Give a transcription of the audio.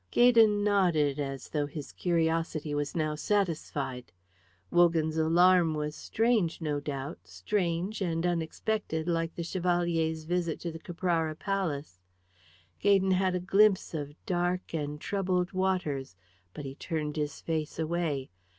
Gaydon nodded as though his curiosity was now satisfied. Wogan's alarm was strange, no doubt, strange and unexpected like the Chevalier's visit to the Caprara Palace. Gaydon had a glimpse of dark and troubled waters, but he turned his face away.